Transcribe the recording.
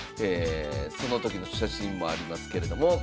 その時の写真もありますけれども。